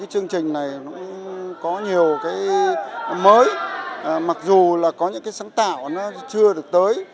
chương trình này nó có nhiều cái mới mặc dù là có những cái sáng tạo nó chưa được tới